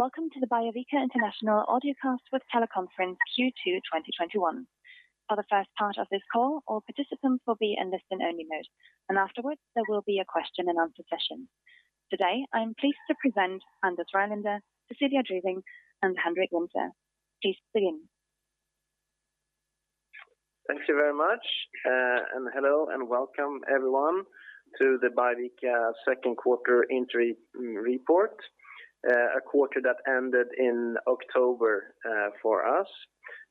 Welcome to the Biovica International Audiocast with Teleconference Q2 2021. For the first part of this call, all participants will be in listen-only mode, and afterwards, there will be a question-and-answer session. Today, I am pleased to present Anders Rylander`, Cecilia Driving, and Henrik Winther. Please begin. Thank you very much, and hello and welcome everyone to the Biovica second quarter interim report, a quarter that ended in October, for us.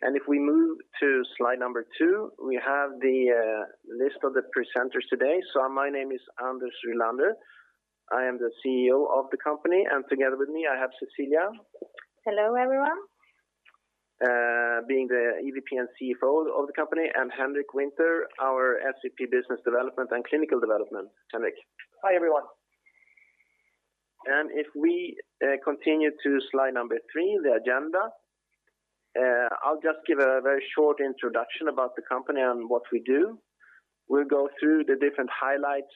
If we move to slide number 2, we have the list of the presenters today. My name is Anders Rylander. I am the CEO of the company, and together with me, I have Cecilia. Hello, everyone. Being the EVP and CFO of the company, and Henrik Winther, our SVP Business Development and Clinical Development. Henrik. Hi, everyone. If we continue to slide number three, the agenda, I'll just give a very short introduction about the company and what we do. We'll go through the different highlights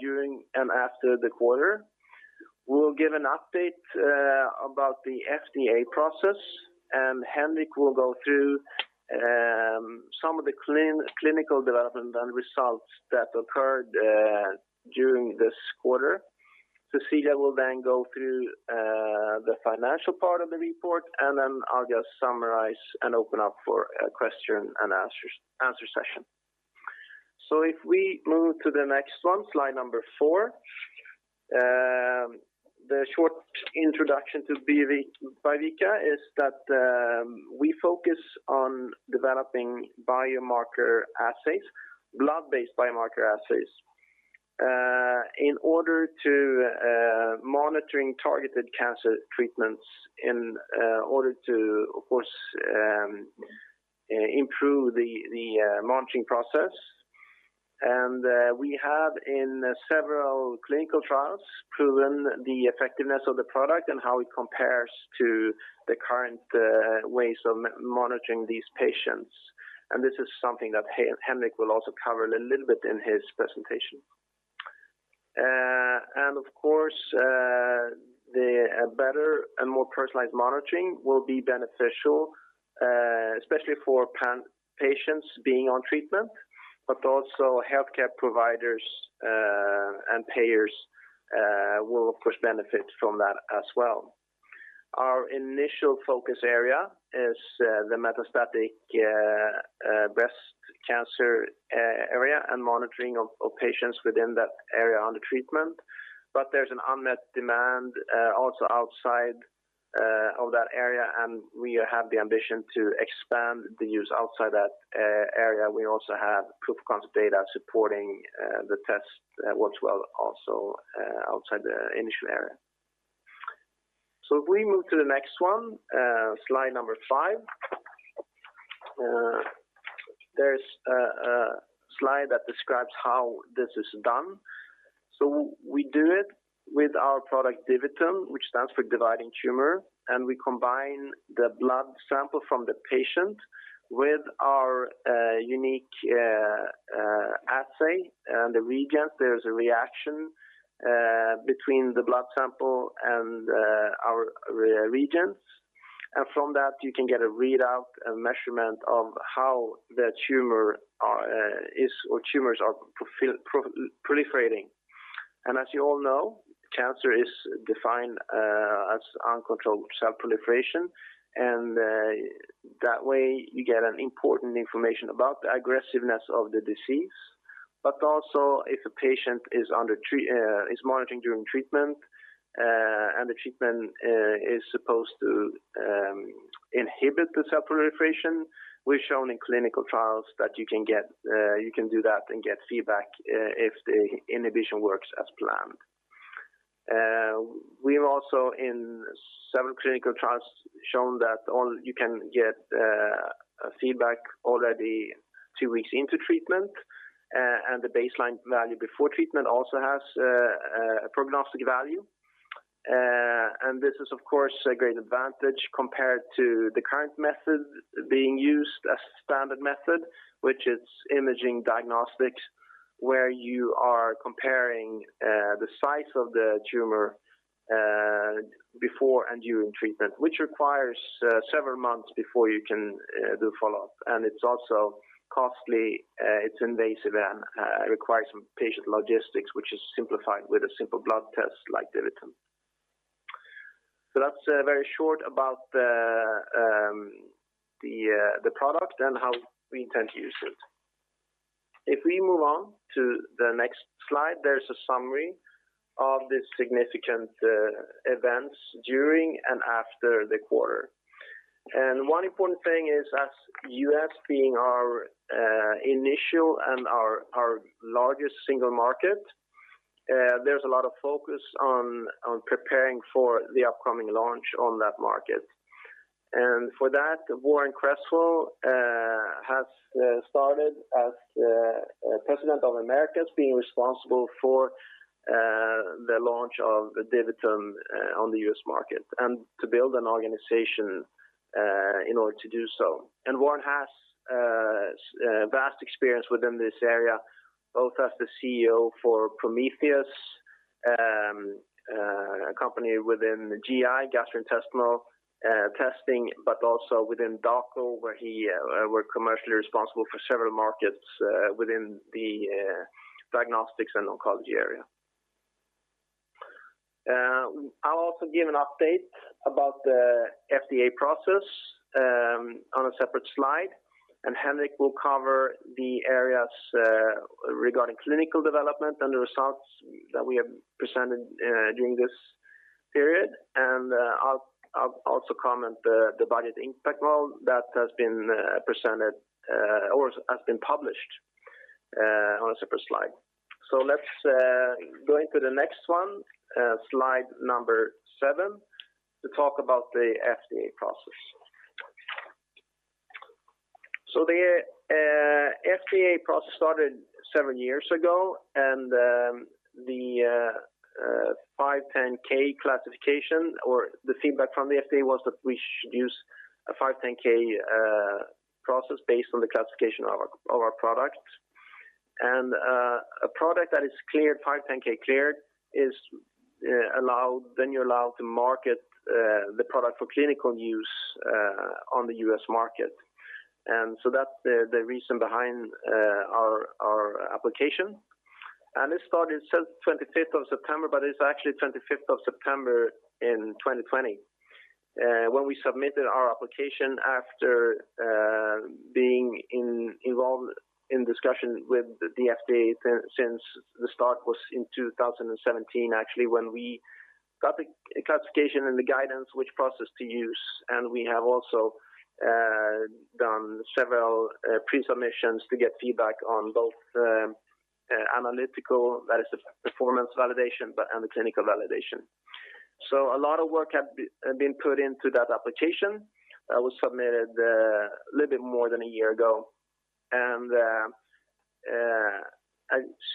during and after the quarter. We'll give an update about the FDA process, and Henrik will go through some of the clinical development and results that occurred during this quarter. Cecilia will then go through the financial part of the report, and then I'll just summarize and open up for a question and answer session. If we move to the next one, slide number four, the short introduction to Biovica is that we focus on developing biomarker assays, blood-based biomarker assays, in order to monitoring targeted cancer treatments in order to, of course, improve the monitoring process. We have in several clinical trials proven the effectiveness of the product and how it compares to the current ways of monitoring these patients. This is something that Henrik will also cover a little bit in his presentation. Of course, the better and more personalized monitoring will be beneficial, especially for patients being on treatment, but also healthcare providers and payers will of course benefit from that as well. Our initial focus area is the metastatic breast cancer area and monitoring of patients within that area under treatment. There's an unmet demand also outside of that area, and we have the ambition to expand the use outside that area. We also have proof of concept data supporting the test works well also outside the initial area. If we move to the next one, slide number 5, there's a slide that describes how this is done. We do it with our product DiviTum, which stands for dividing tumor, and we combine the blood sample from the patient with our unique assay, the reagent. There's a reaction between the blood sample and our reagents. From that, you can get a readout, a measurement of how the tumor is or tumors are proliferating. As you all know, cancer is defined as uncontrolled cell proliferation. That way, you get an important information about the aggressiveness of the disease, but also if a patient is monitoring during treatment, and the treatment is supposed to inhibit the cell proliferation. We've shown in clinical trials that you can do that and get feedback if the inhibition works as planned. We've also in several clinical trials shown that you can get feedback already two weeks into treatment, and the baseline value before treatment also has a prognostic value. This is of course a great advantage compared to the current method being used as standard method, which is imaging diagnostics, where you are comparing the size of the tumor before and during treatment, which requires several months before you can do follow-up. It's also costly, it's invasive and requires some patient logistics, which is simplified with a simple blood test like DiviTum. That's very short about the product and how we intend to use it. If we move on to the next slide, there's a summary of the significant events during and after the quarter. One important thing is with the U.S. being our initial and our largest single market, there's a lot of focus on preparing for the upcoming launch on that market. For that, Warren Cresswell has started as President of Americas, being responsible for the launch of DiviTum on the U.S. market and to build an organization in order to do so. Warren has vast experience within this area, both as the CEO for Prometheus, a company within the GI, gastrointestinal, testing, but also within Dako, where he were commercially responsible for several markets within the diagnostics and oncology area. I'll also give an update about the FDA process on a separate slide, and Henrik will cover the areas regarding clinical development and the results that we have presented during this period. I'll also comment the budget impact model that has been presented or has been published on a separate slide. Let's go into the next one, slide number 7, to talk about the FDA process. The FDA process started seven years ago, the 510(k) classification or the feedback from the FDA was that we should use a 510(k) process based on the classification of our product. A product that is cleared, 510(k) cleared is allowed, then you're allowed to market the product for clinical use on the U.S. market. That's the reason behind our application. It started since 25th of September, but it's actually 25th of September in 2020 when we submitted our application after being involved in discussion with the FDA since the start was in 2017, actually, when we got the classification and the guidance which process to use. We have also done several pre-submissions to get feedback on both analytical, that is the performance validation, and the clinical validation. A lot of work had been put into that application that was submitted a little bit more than a year ago. As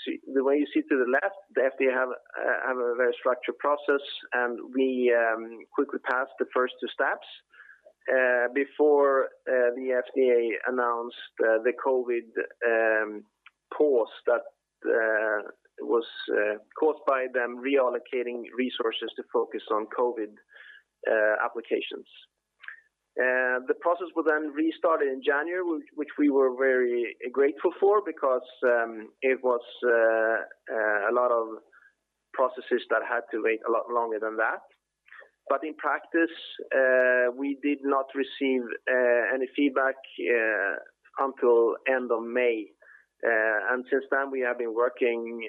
you see to the left, the FDA have a very structured process, and we quickly passed the first two steps before the FDA announced the COVID pause that was caused by them reallocating resources to focus on COVID applications. The process was then restarted in January, which we were very grateful for because it was a lot of processes that had to wait a lot longer than that. In practice, we did not receive any feedback until end of May. Since then, we have been working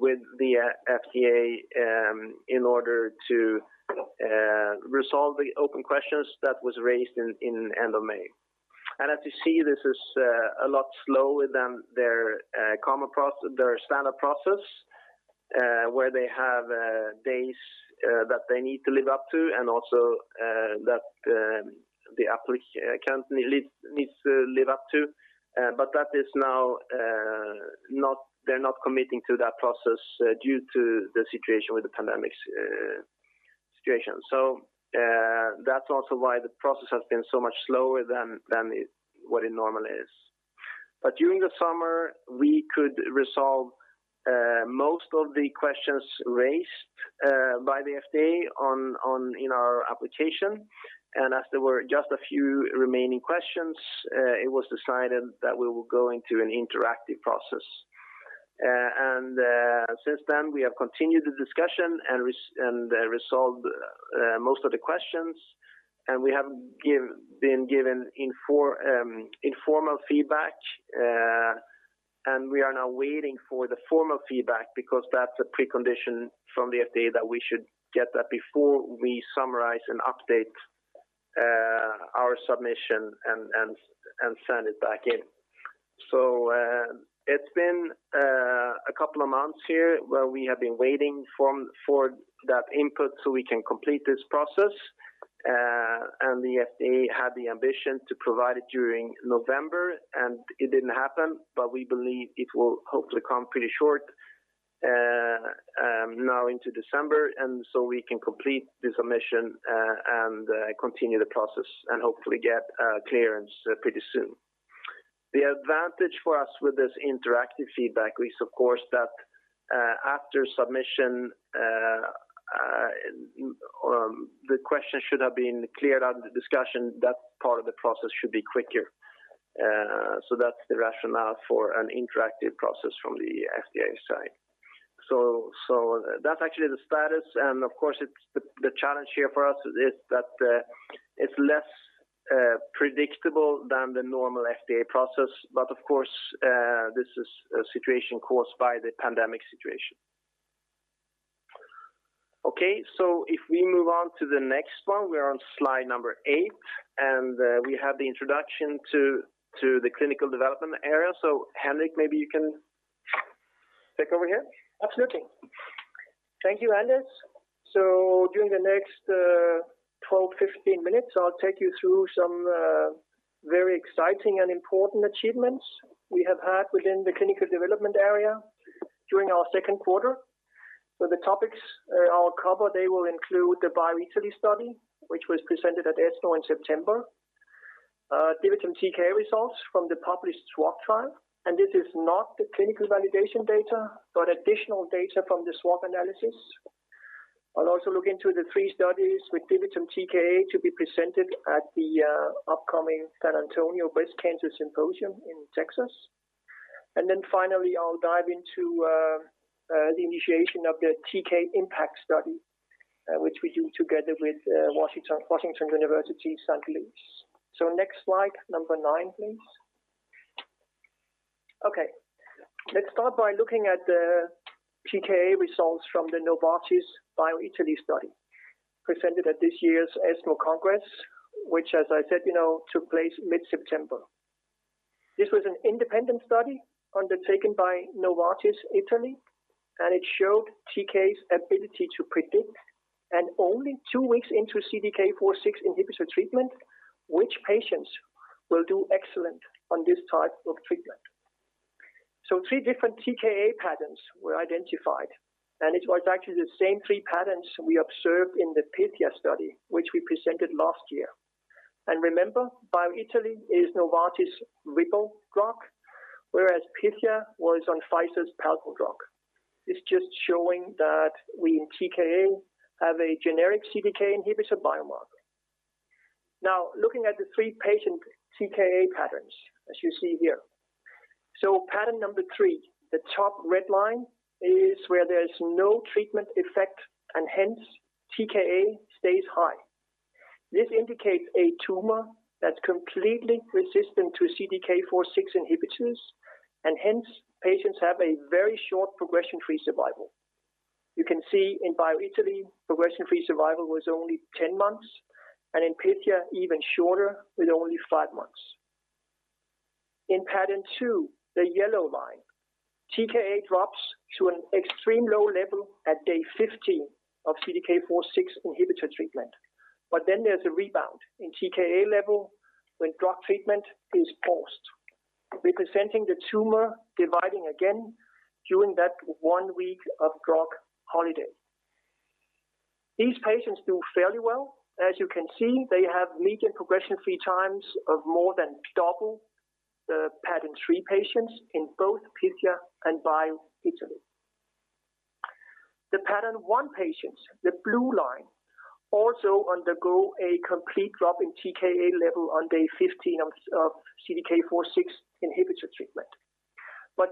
with the FDA in order to resolve the open questions that was raised in end of May. As you see, this is a lot slower than their common process, their standard process, where they have days that they need to live up to and also that the applicant needs to live up to. That is now not. They're not committing to that process due to the situation with the pandemic situation. That's also why the process has been so much slower than what it normally is. During the summer, we could resolve most of the questions raised by the FDA in our application. As there were just a few remaining questions, it was decided that we will go into an interactive process. Since then, we have continued the discussion and resolved most of the questions. We have been given informal feedback. We are now waiting for the formal feedback because that's a precondition from the FDA that we should get that before we summarize and update our submission and send it back in. It's been a couple of months here where we have been waiting for that input so we can complete this process. The FDA had the ambition to provide it during November, and it didn't happen. We believe it will hopefully come pretty short, now into December, and so we can complete the submission, and continue the process and hopefully get clearance pretty soon. The advantage for us with this interactive feedback is, of course, that after submission, the question should have been cleared out of the discussion, that part of the process should be quicker. So that's the rationale for an interactive process from the FDA side. So that's actually the status. Of course, the challenge here for us is that it's less predictable than the normal FDA process. Of course, this is a situation caused by the pandemic situation. Okay. If we move on to the next one, we are on slide number 8, and we have the introduction to the clinical development area. Henrik, maybe you can take over here. Absolutely. Thank you, Anders. During the next 12, 15 minutes, I'll take you through some very exciting and important achievements we have had within the clinical development area during our second quarter. The topics I'll cover, they will include the BioItaLEE study, which was presented at ESMO in September. DiviTum TKa results from the published SWOG trial, and this is not the clinical validation data, but additional data from the SWOG analysis. I'll also look into the 3 studies with DiviTum TKa to be presented at the upcoming San Antonio Breast Cancer Symposium in Texas. Then finally, I'll dive into the initiation of the TK IMPACT study, which we do together with Washington University in St. Louis. Next slide, number 9, please. Okay. Let's start by looking at the TKa results from the Novartis BioItaLEE study presented at this year's ESMO Congress, which as I said, you know, took place mid-September. This was an independent study undertaken by Novartis Italy, and it showed TKa's ability to predict, and only two weeks into CDK4/6 inhibitor treatment, which patients will do excellent on this type of treatment. Three different TKa patterns were identified, and it was actually the same three patterns we observed in the PYTHIA study, which we presented last year. Remember, BioItaLEE is Novartis ribociclib, whereas PYTHIA was on Pfizer's palbociclib. It's just showing that we in TKa have a generic CDK inhibitor biomarker. Now, looking at the three patient TKa patterns, as you see here. Pattern number three, the top red line, is where there is no treatment effect and hence TKa stays high. This indicates a tumor that's completely resistant to CDK4/6 inhibitors, and hence patients have a very short progression-free survival. You can see in BioItaLEE, progression-free survival was only 10 months, and in PYTHIA, even shorter with only 5 months. In pattern two, the yellow line, TKa drops to an extreme low level at day 15 of CDK4/6 inhibitor treatment. There's a rebound in TKa level when drug treatment is paused, representing the tumor dividing again during that 1 week of drug holiday. These patients do fairly well. As you can see, they have median progression-free times of more than double the pattern three patients in both PYTHIA and BioItaLEE. The pattern one patients, the blue line, also undergo a complete drop in TKa level on day 15 of CDK4/6 inhibitor treatment.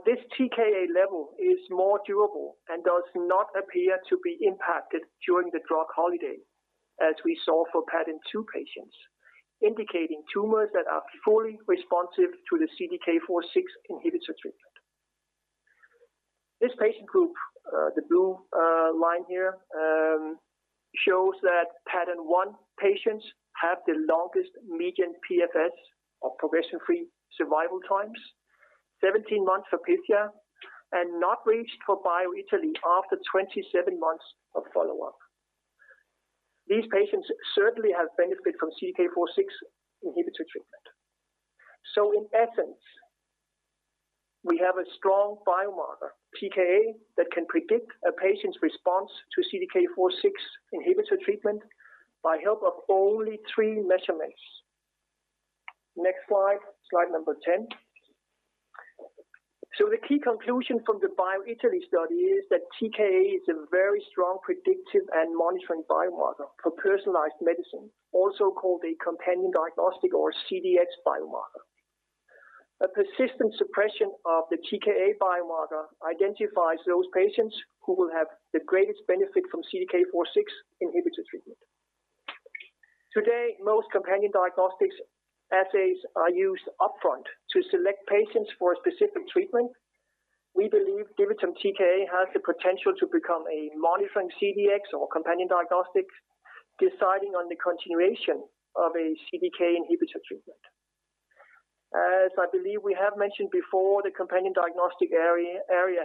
This TKa level is more durable and does not appear to be impacted during the drug holiday, as we saw for pattern 2 patients, indicating tumors that are fully responsive to the CDK4/6 inhibitor treatment. This patient group, the blue line here, shows that pattern 1 patients have the longest median PFS or progression-free survival times, 17 months for PYTHIA and not reached for BioItaLEE after 27 months of follow-up. These patients certainly have benefit from CDK4/6 inhibitor treatment. In essence, we have a strong biomarker, TKa, that can predict a patient's response to CDK4/6 inhibitor treatment by help of only 3 measurements. Next slide number 10. The key conclusion from the BioItaLEE study is that TKa is a very strong predictive and monitoring biomarker for personalized medicine, also called a companion diagnostic or CDX biomarker. A persistent suppression of the TKa biomarker identifies those patients who will have the greatest benefit from CDK 4/6 inhibitor treatment. Today, most companion diagnostic assays are used upfront to select patients for a specific treatment. We believe DiviTum TKa has the potential to become a monitoring CDx or companion diagnostic, deciding on the continuation of a CDK inhibitor treatment. As I believe we have mentioned before, the companion diagnostic area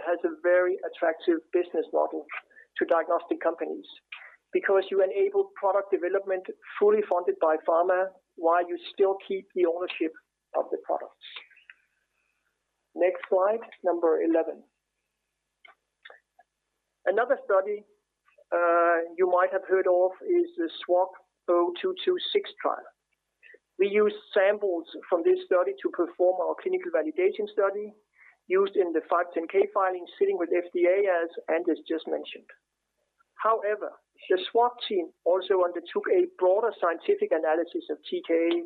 has a very attractive business model to diagnostic companies because you enable product development fully funded by pharma while you still keep the ownership of the products. Next slide, number 11. Another study you might have heard of is the SWOG S0226 trial. We used samples from this study to perform our clinical validation study used in the 510(k) filing sitting with FDA, as Anders just mentioned. However, the SWOG team also undertook a broader scientific analysis of TKa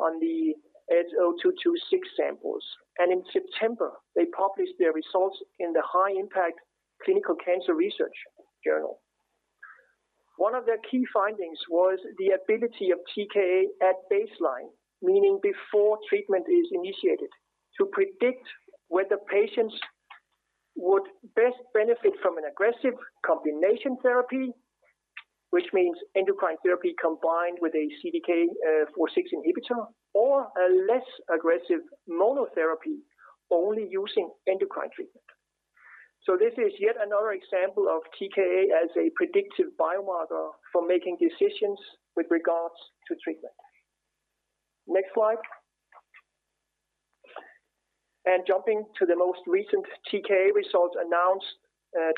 on the S0226 samples, and in September, they published their results in the high-impact Clinical Cancer Research journal. One of their key findings was the ability of TKa at baseline, meaning before treatment is initiated, to predict whether patients would best benefit from an aggressive combination therapy, which means endocrine therapy combined with a CDK4/6 inhibitor, or a less aggressive monotherapy only using endocrine treatment. This is yet another example of TKa as a predictive biomarker for making decisions with regards to treatment. Next slide. Jumping to the most recent TKa results announced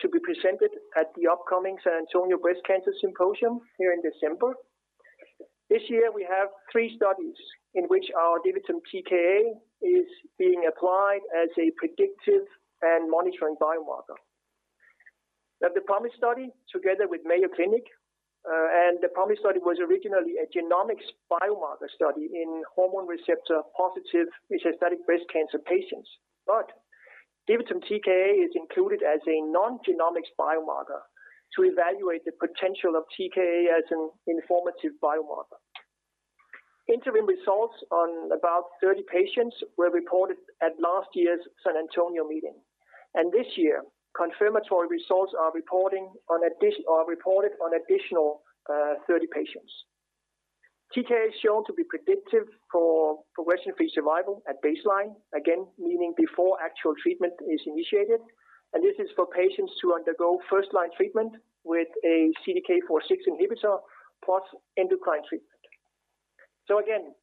to be presented at the upcoming San Antonio Breast Cancer Symposium here in December. This year, we have three studies in which our DiviTum TKa is being applied as a predictive and monitoring biomarker. Now, the PROMISE study together with Mayo Clinic, and the PROMISE study was originally a genomics biomarker study in hormone receptor-positive metastatic breast cancer patients. DiviTum TKa is included as a non-genomics biomarker to evaluate the potential of TKa as an informative biomarker. Interim results on about 30 patients were reported at last year's San Antonio meeting. This year, confirmatory results are reported on additional 30 patients. TKa is shown to be predictive for progression-free survival at baseline, again, meaning before actual treatment is initiated, and this is for patients who undergo first-line treatment with a CDK 4/6 inhibitor plus endocrine treatment. Again,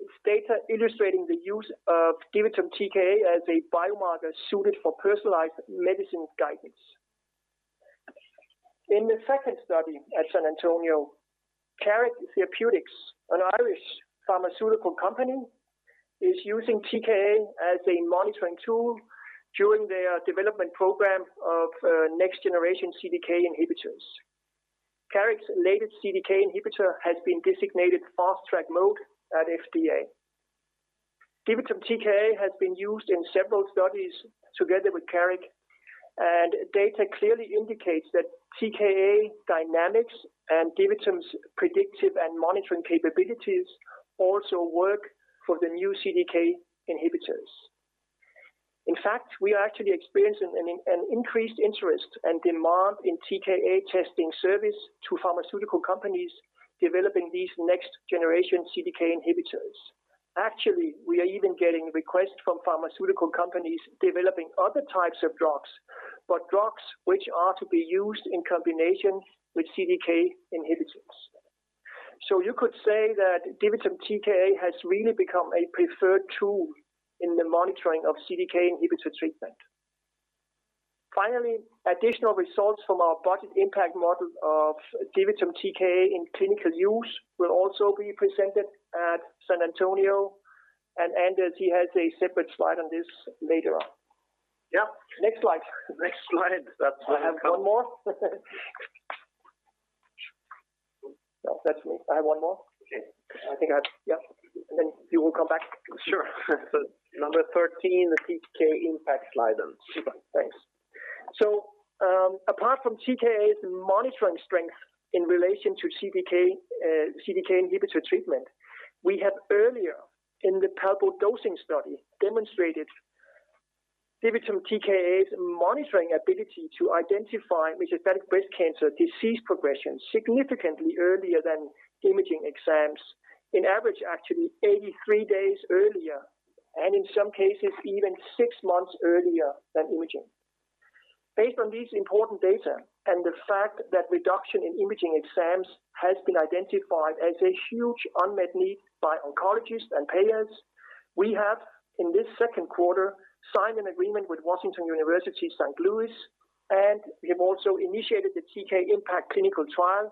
it's data illustrating the use of DiviTum TKa as a biomarker suited for personalized medicine guidance. In the second study at San Antonio, Carrick Therapeutics, an Irish pharmaceutical company, is using TKa as a monitoring tool during their development program of next-generation CDK inhibitors. Carrick's latest CDK inhibitor has been designated Fast Track at FDA. DiviTum TKa has been used in several studies together with Carrick, and data clearly indicates that TKa dynamics and DiviTum's predictive and monitoring capabilities also work for the new CDK inhibitors. In fact, we are actually experiencing an increased interest and demand in TKa testing service to pharmaceutical companies developing these next-generation CDK inhibitors. Actually, we are even getting requests from pharmaceutical companies developing other types of drugs, but drugs which are to be used in combination with CDK inhibitors. You could say that DiviTum TKa has really become a preferred tool in the monitoring of CDK inhibitor treatment. Finally, additional results from our budget impact model of DiviTum TKa in clinical use will also be presented at San Antonio, and Anders, he has a separate slide on this later on. Yeah. Next slide. Next slide. I have one more. No, that's me. I have one more. Okay. Yeah. Then you will come back. Sure. Number 13, the TKa IMPACT slide. Super. Thanks. Apart from TKa's monitoring strength in relation to CDK4/6 inhibitor treatment, we have earlier in the PALOMA dosing study demonstrated DiviTum TKa's monitoring ability to identify metastatic breast cancer disease progression significantly earlier than imaging exams, on average, actually 83 days earlier, and in some cases, even 6 months earlier than imaging. Based on these important data and the fact that reduction in imaging exams has been identified as a huge unmet need by oncologists and payers, we have, in this second quarter, signed an agreement with Washington University in St. Louis, and we have also initiated the TKa IMPACT clinical trial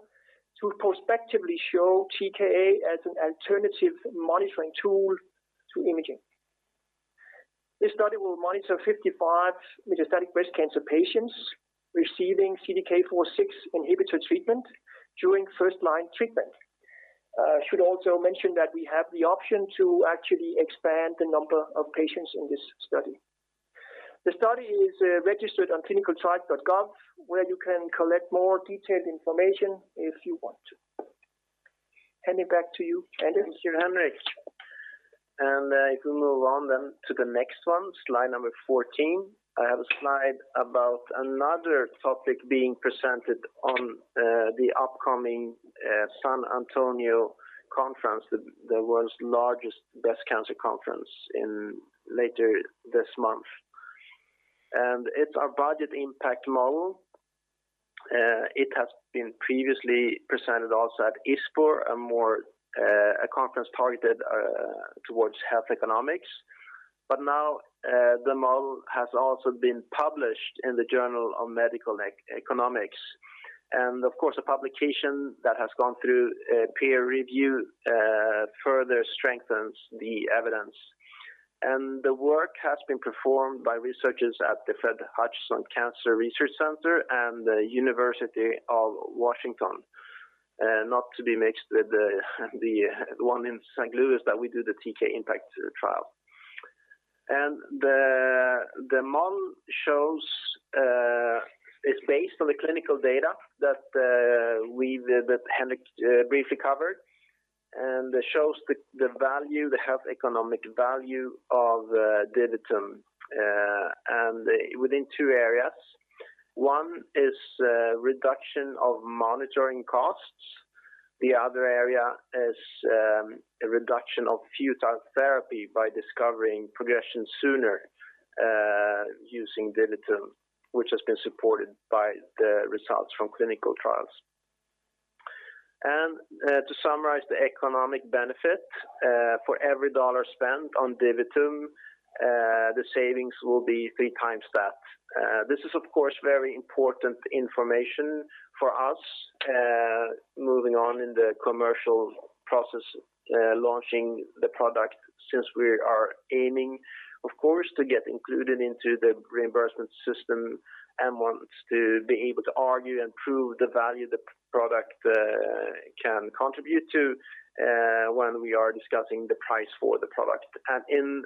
to prospectively show TKa as an alternative monitoring tool to imaging. This study will monitor 55 metastatic breast cancer patients receiving CDK 4/6 inhibitor treatment during first-line treatment. Should also mention that we have the option to actually expand the number of patients in this study. The study is registered on clinicaltrials.gov, where you can collect more detailed information if you want to. Handing back to you, Anders. Thank you, Henrik. If we move on then to the next one, slide number 14. I have a slide about another topic being presented on the upcoming San Antonio conference, the world's largest breast cancer conference later this month. It's our budget impact model. It has been previously presented also at ISPOR, a more targeted conference towards health economics. The model has also been published in the Journal of Medical Economics. Of course, a publication that has gone through peer review further strengthens the evidence. The work has been performed by researchers at the Fred Hutchinson Cancer Research Center and the University of Washington, not to be mixed with the one in St. Louis that we do the TKa IMPACT trial. The model shows is based on the clinical data that Henrik briefly covered, and it shows the value, the health economic value of DiviTum and within two areas. One is reduction of monitoring costs. The other area is a reduction of futile therapy by discovering progression sooner using DiviTum, which has been supported by the results from clinical trials. To summarize the economic benefit, for every dollar spent on DiviTum, the savings will be three times that. This is of course very important information for us moving on in the commercial process launching the product since we are aiming of course to get included into the reimbursement system and want to be able to argue and prove the value the product can contribute to when we are discussing the price for the product. In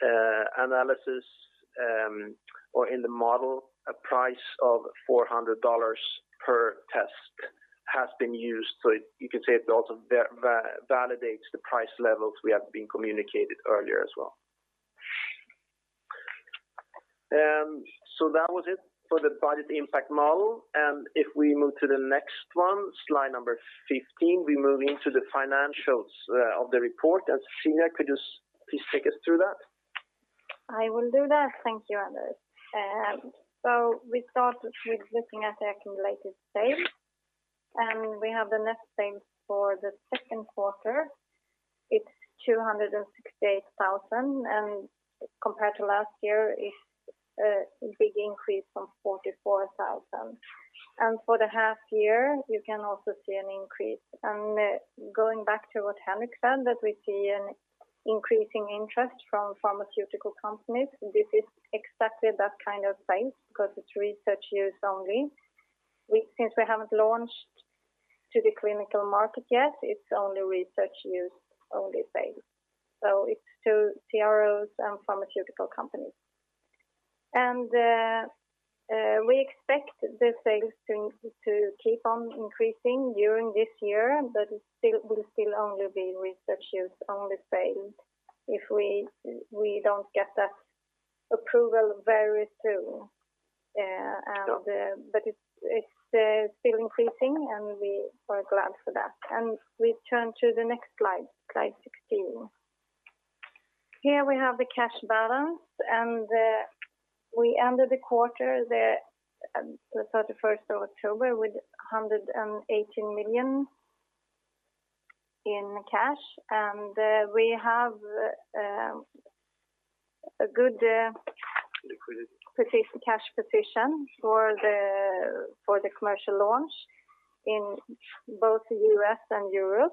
the analysis or in the model a price of $400 per test has been used. You can say it also validates the price levels we have been communicated earlier as well. That was it for the budget impact model. If we move to the next one slide number 15 we move into the financials of the report. Cecilia could just please take us through that. I will do that. Thank you, Anders. So we started with looking at the accumulated sales, and we have the net sales for the second quarter. It's 268,000, and compared to last year, it's a big increase from 44,000. For the half year, you can also see an increase. Going back to what Henrik said, that we see an increasing interest from pharmaceutical companies, this is exactly that kind of sales because it's research use only. Since we haven't launched to the clinical market yet, it's only research use only sales. It's to CROs and pharmaceutical companies. We expect the sales to keep on increasing during this year, but will still only be research use only sales if we don't get that approval very soon. But it's still increasing, and we are glad for that. We turn to the next slide 16. Here we have the cash balance, and we ended the quarter the 31st of October with 180 million in cash. We have a good Liquidity Cash position for the commercial launch in both U.S. and Europe.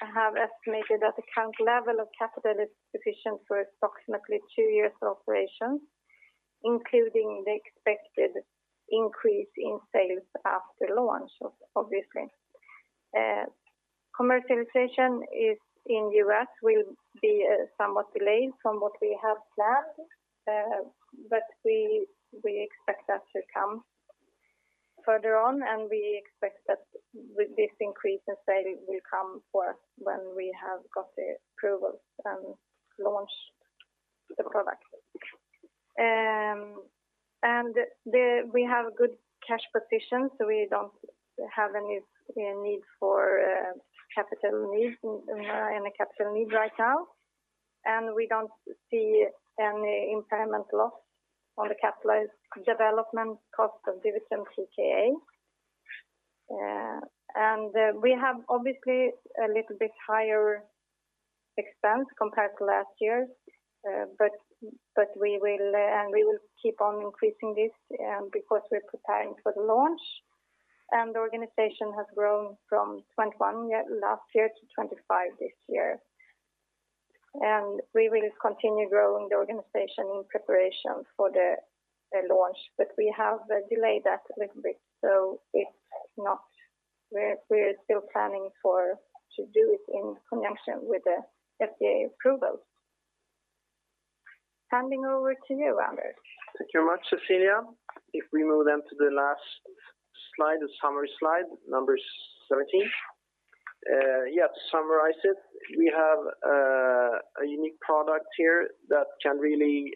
We have estimated that the current level of capital is sufficient for approximately two years of operation, including the expected increase in sales after launch, obviously. Commercialization in U.S. will be somewhat delayed from what we have planned, but we expect that to come further on, and we expect that this increase in sales will come when we have got the approvals and launch the product. We have a good cash position, so we don't have any need for capital needs right now. We don't see any impairment loss on the capitalized development cost of DiviTum TKa. We have obviously a little bit higher expense compared to last year. We will keep on increasing this because we're preparing for the launch. The organization has grown from 21 last year to 25 this year. We will continue growing the organization in preparation for the launch. We have delayed that a little bit, so it's not. We're still planning to do it in conjunction with the FDA approval. Handing over to you, Anders Rylander. Thank you very much, Cecilia. If we move then to the last slide, the summary slide number 17. To summarize it, we have a unique product here that can really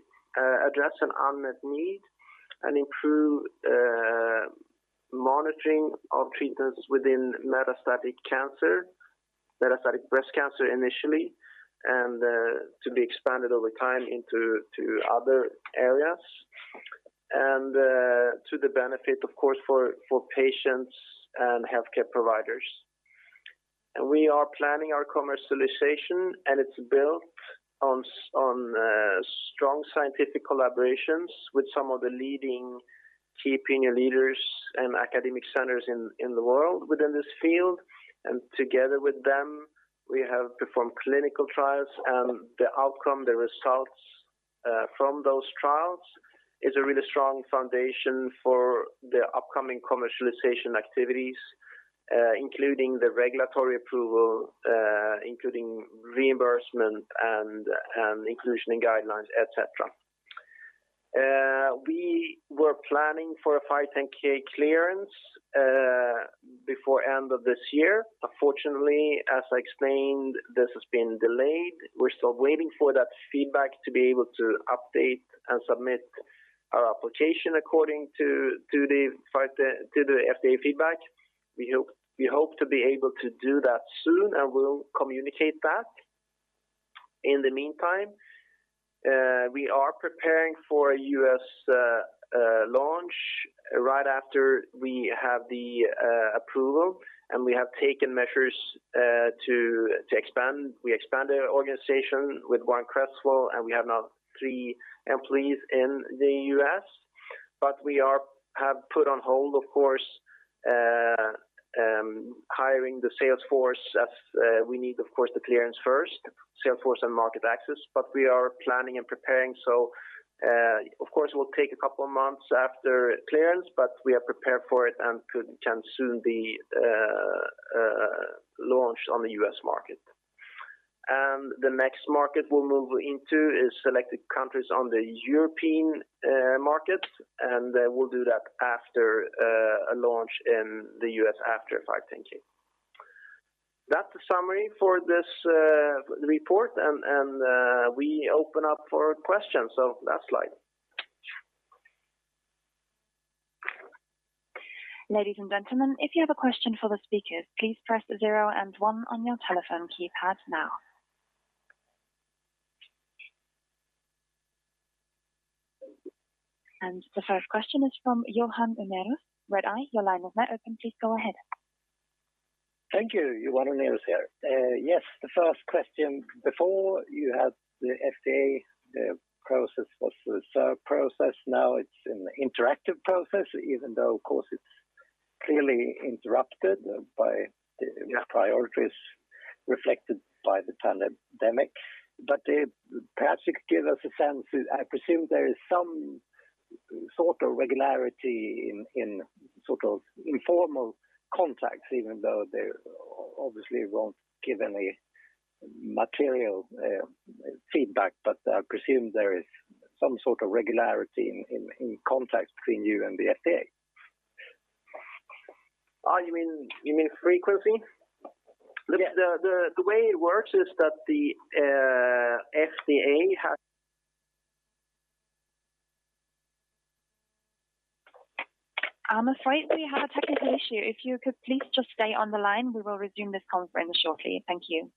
address an unmet need and improve monitoring of treatments within metastatic cancer, metastatic breast cancer initially, and to be expanded over time into to other areas, and to the benefit, of course, for patients and healthcare providers. We are planning our commercialization, and it's built on strong scientific collaborations with some of the leading key opinion leaders and academic centers in the world within this field. Together with them, we have performed clinical trials, and the outcome, the results, from those trials is a really strong foundation for the upcoming commercialization activities, including the regulatory approval, including reimbursement and, inclusion in guidelines, et cetera. We were planning for a 510(k) clearance before end of this year. Unfortunately, as I explained, this has been delayed. We're still waiting for that feedback to be able to update and submit our application according to to the FDA feedback. We hope to be able to do that soon, and we'll communicate that. In the meantime, we are preparing for U.S. launch right after we have the approval. We have taken measures to expand. We expanded our organization with Warren Cresswell, and we have now three employees in the U.S. We have put on hold, of course, hiring the sales force as we need, of course, the clearance first, sales force and market access. We are planning and preparing. Of course, it will take a couple of months after clearance. We are prepared for it and can soon be launched on the U.S. market. The next market we'll move into is selected countries on the European markets, and we'll do that after a launch in the U.S. after filing. That's the summary for this report. We open up for questions. Last slide. Ladies and gentlemen, if you have a question for the speakers, please press zero and one on your telephone keypad now. The first question is from Johan Unnérus, Redeye. Your line is now open. Please go ahead. Thank you. Johan Unnérus here. Yes, the first question, before you had the FDA, the process was the substantive review process. Now it's an interactive process, even though, of course, it's clearly interrupted by the priorities reflected by the pandemic. If Patrick could give us a sense, I presume there is some sort of regularity in sort of informal contacts, even though they obviously won't give any material feedback. I presume there is some sort of regularity in contact between you and the FDA. Oh, you mean frequency? Yeah. The way it works is that the FDA has I'm afraid we have a technical issue. If you could please just stay on the line, we will resume this conference shortly. Thank you.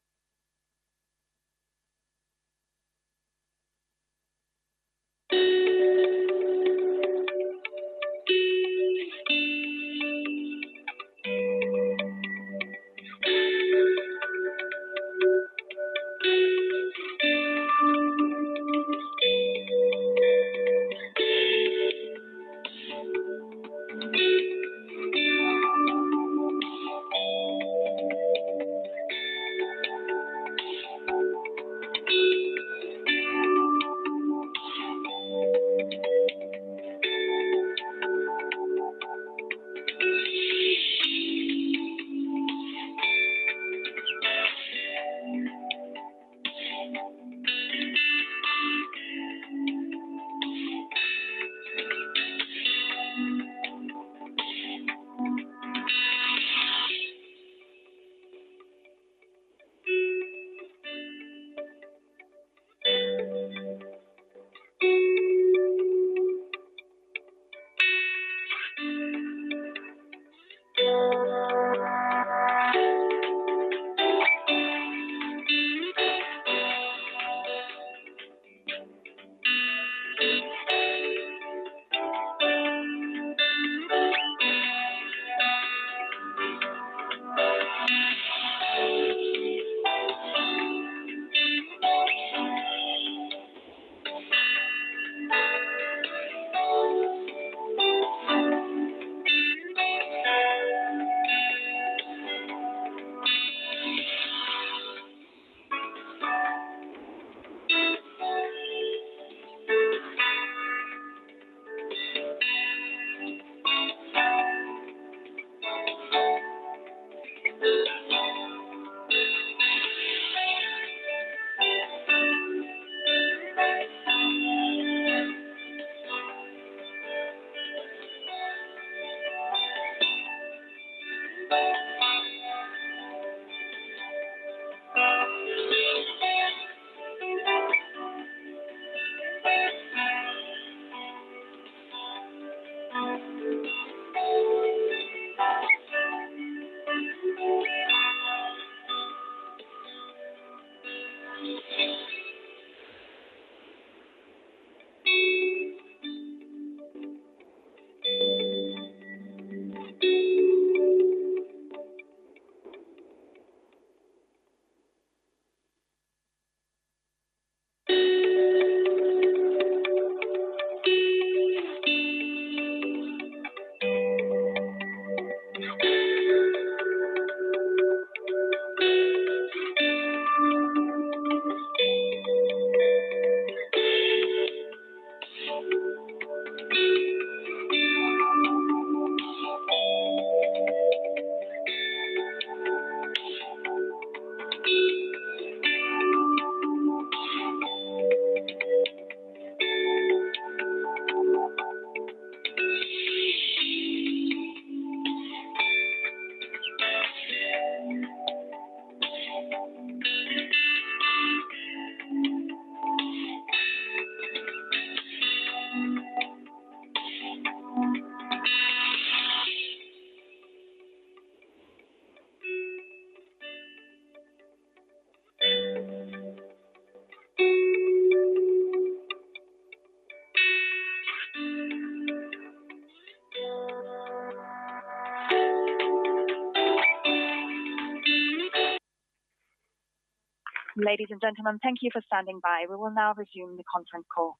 Ladies and gentlemen, thank you for standing by. We will now resume the conference call.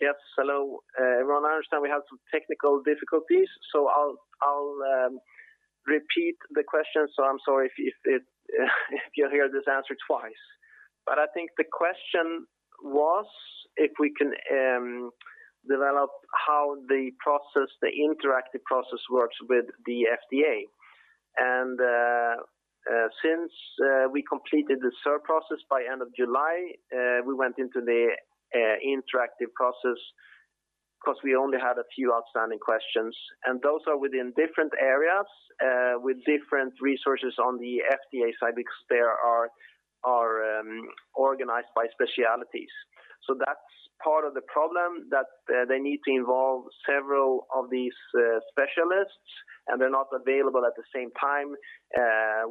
Yes. Hello, everyone. I understand we had some technical difficulties, so I'll repeat the question. I'm sorry if you hear this answer twice. I think the question was if we can develop how the process, the interactive process works with the FDA. Since we completed the substantive review process by end of July, we went into the interactive process 'cause we only had a few outstanding questions. Those are within different areas with different resources on the FDA side because they are organized by specialties. That's part of the problem, that they need to involve several of these specialists and they're not available at the same time,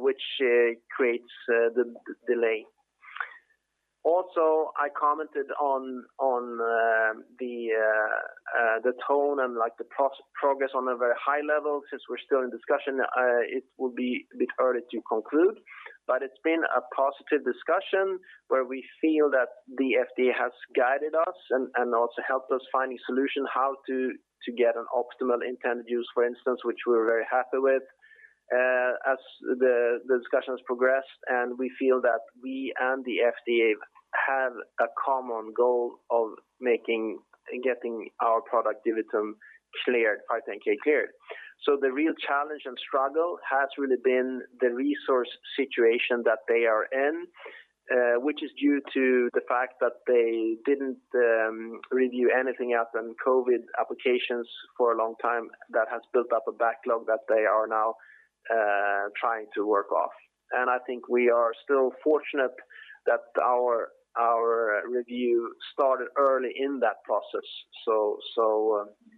which creates the delay. Also, I commented on the tone and like the progress on a very high level. Since we're still in discussion, it would be a bit early to conclude. It's been a positive discussion where we feel that the FDA has guided us and also helped us find a solution how to get an optimal intended use, for instance, which we're very happy with, as the discussions progressed. We feel that we and the FDA have a common goal of making and getting our product, DiviTum, cleared, 510(k) cleared. The real challenge and struggle has really been the resource situation that they are in, which is due to the fact that they didn't review anything other than COVID applications for a long time. That has built up a backlog that they are now trying to work off. I think we are still fortunate that our review started early in that process.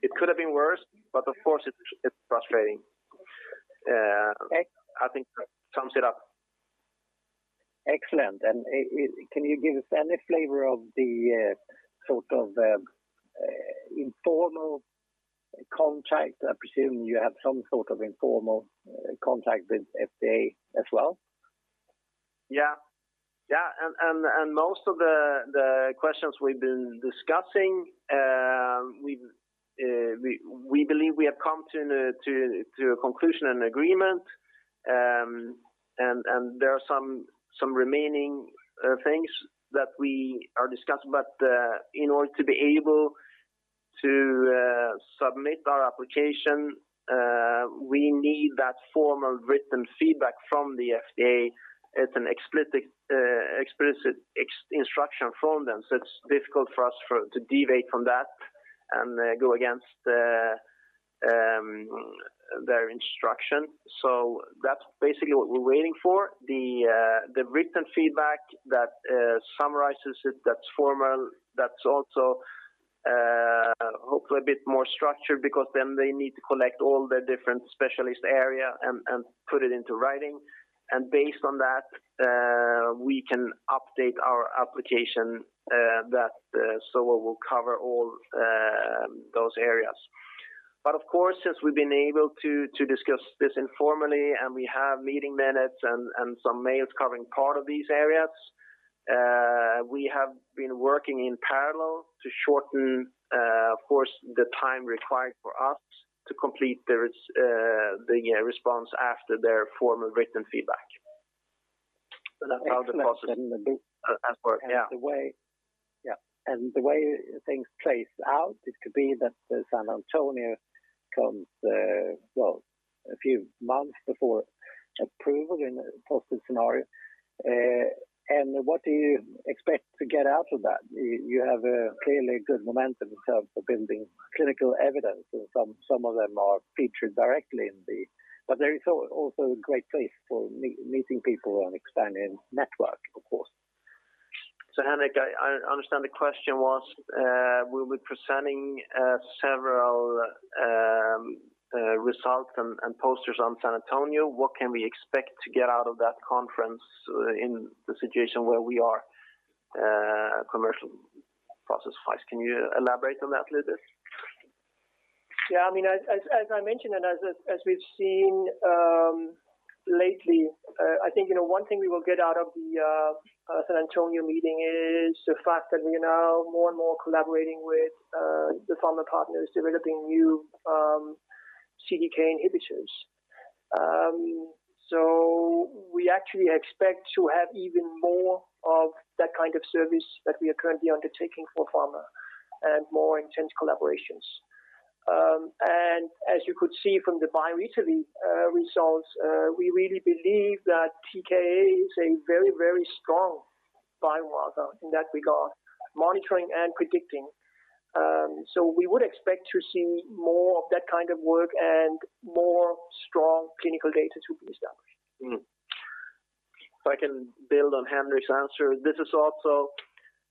It could have been worse but of course it's frustrating. I think that sums it up. Excellent. Can you give us any flavor of the sort of informal contact? I presume you have some sort of informal contact with FDA as well. Most of the questions we've been discussing, we believe we have come to a conclusion and agreement. There are some remaining things that we are discussing. In order to be able to submit our application, we need that formal written feedback from the FDA as an explicit instruction from them. It's difficult for us to deviate from that and go against their instruction. That's basically what we're waiting for, the written feedback that summarizes it, that's formal. That's also hopefully a bit more structured because then they need to collect all the different specialist area and put it into writing. Based on that, we can update our application that will cover all those areas. Of course, since we've been able to discuss this informally and we have meeting minutes and some mails covering part of these areas, we have been working in parallel to shorten the time required for us to complete the response after their formal written feedback. That's how the process has worked. The way- Yeah. The way things play out, it could be that the San Antonio comes a few months before approval in a positive scenario. What do you expect to get out of that? You have a clearly good momentum in terms of building clinical evidence, and some of them are featured directly in the. There is also a great place for meeting people and expanding network, of course. Henrik, I understand the question was, we'll be presenting several results and posters on San Antonio. What can we expect to get out of that conference, in the situation where we are, commercial process-wise? Can you elaborate on that a little bit? Yeah. I mean, as I mentioned and as we've seen lately, I think, you know, one thing we will get out of the San Antonio meeting is the fact that we are now more and more collaborating with the pharma partners developing new CDK inhibitors. We actually expect to have even more of that kind of service that we are currently undertaking for pharma and more intense collaborations. As you could see from the BioItaLEE results, we really believe that TKa is a very, very strong biomarker in that regard, monitoring and predicting. We would expect to see more of that kind of work and more strong clinical data to be established. Mm. If I can build on Henrik's answer, this is also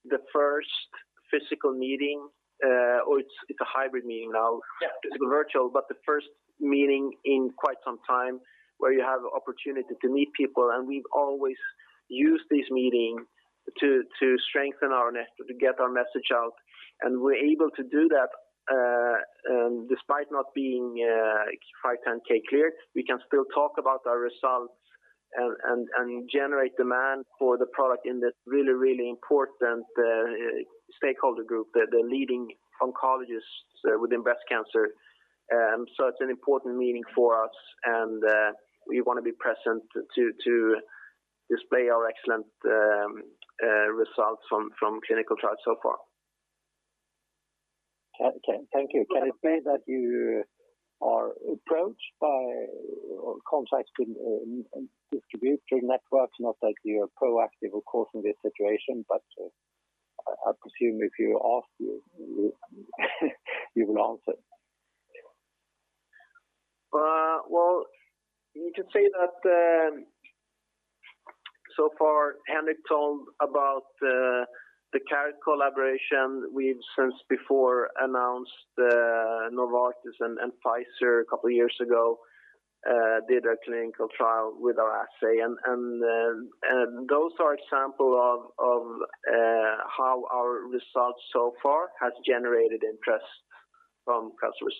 the first physical meeting, or it's a hybrid meeting now. Yeah. It's virtual, but the first meeting in quite some time where you have the opportunity to meet people, and we've always used this meeting to strengthen our network, to get our message out, and we're able to do that. Despite not being 510(k) clear, we can still talk about our results and generate demand for the product in this really important stakeholder group, the leading oncologists within breast cancer. It's an important meeting for us, and we wanna be present to display our excellent results from clinical trials so far. Okay. Thank you. Can you say that you are approached by or contacts in distributing networks, not that you're proactive, of course, in this situation, but I presume if you ask, you will answer? Well, you can say that so far, Henrik told about the current collaboration. We've since before announced Novartis and Pfizer. Those are examples of how our results so far has generated interest from customers.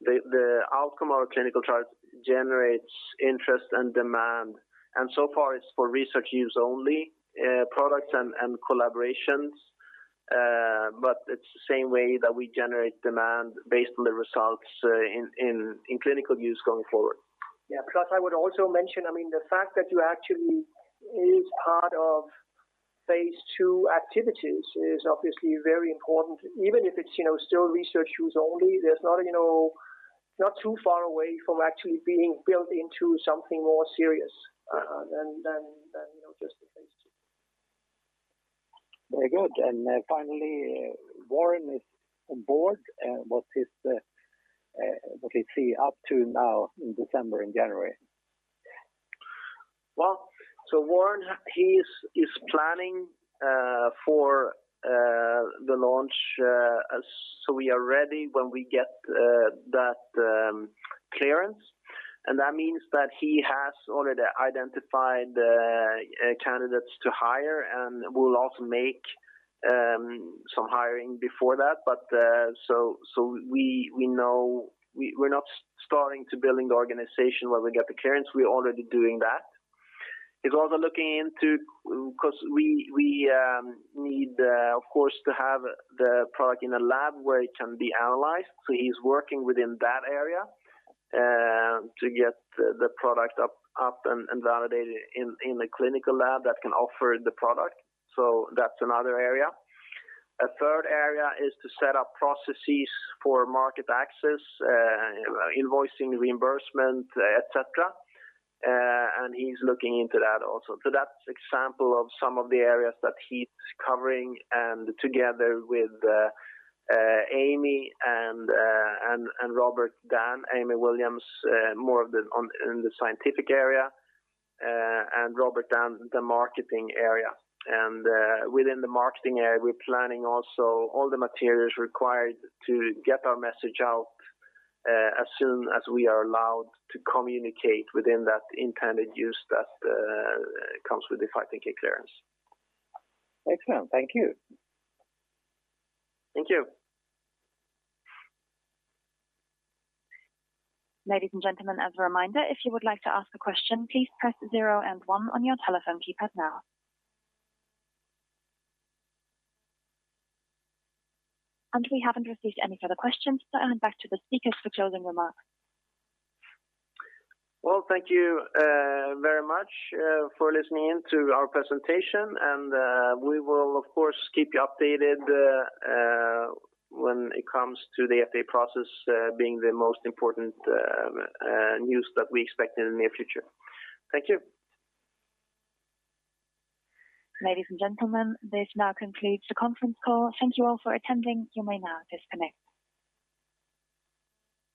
The outcome of clinical trials generates interest and demand, and so far it's for research use only products and collaborations. It's the same way that we generate demand based on the results in clinical use going forward. Yeah. Plus, I would also mention, I mean, the fact that you actually is part of phase II activities is obviously very important. Even if it's, you know, still research use only, there's not, you know, not too far away from actually being built into something more serious than, you know, just the phase II. Very good. Finally, Warren is on board. What is he up to now in December and January? Well, Warren, he's planning for the launch, so we are ready when we get that clearance. That means that he has already identified the candidates to hire and will also make some hiring before that. We know we're not starting to building the organization when we get the clearance, we're already doing that. He's also looking into 'Cause we need, of course, to have the product in a lab where it can be analyzed, so he's working within that area to get the product up and validated in the clinical lab that can offer the product. That's another area. A third area is to set up processes for market access, invoicing, reimbursement, et cetera. He's looking into that also. That's example of some of the areas that he's covering, and together with Amy and Robert Dann. Amy Williams, more on the scientific area, and Robert Dann, the marketing area. Within the marketing area, we're planning also all the materials required to get our message out, as soon as we are allowed to communicate within that intended use that comes with the 510(k) clearance. Excellent. Thank you. Thank you. Ladies and gentlemen, as a reminder, if you would like to ask a question, please press zero and one on your telephone keypad now. We haven't received any further questions, so I hand back to the speakers for closing remarks. Well, thank you very much for listening in to our presentation, and we will of course keep you updated when it comes to the FDA process being the most important news that we expect in the near future. Thank you. Ladies and gentlemen, this now concludes the conference call. Thank you all for attending. You may now disconnect.